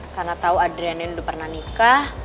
karena tau adriana ini udah pernah nikah